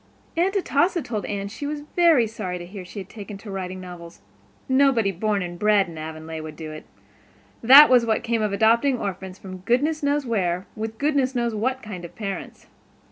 Aunt Atossa told Anne she was very sorry to hear she had taken to writing novels; nobody born and bred in Avonlea would do it; that was what came of adopting orphans from goodness knew where, with goodness knew what kind of parents.